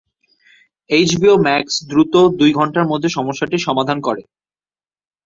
HBO Max দ্রুত দুই ঘন্টার মধ্যে সমস্যাটি সমাধান করে।